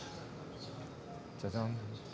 じゃじゃん。